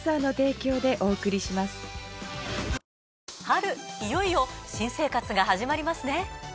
春いよいよ新生活が始まりますね。